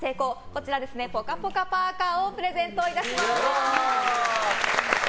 こちら、ぽかぽかパーカをプレゼントいたします。